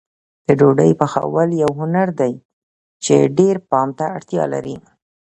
د ډوډۍ پخول یو هنر دی چې ډېر پام ته اړتیا لري.